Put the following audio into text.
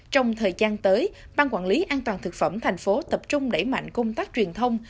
trong thời gian tới ban quản lý an toàn thực phẩm thành phố tập trung đẩy mạnh công tác truyền thông